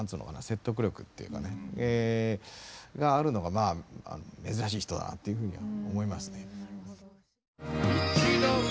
説得力っていうかねえがあるのが珍しい人だなっていうふうに思いますね。